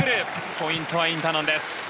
ポイントはインタノンです。